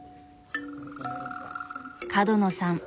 角野さん